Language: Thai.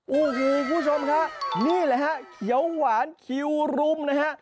โอ้โหคุณผู้ชมฮะนี่แหละฮะเขียวหวานคิวรุมนะฮะ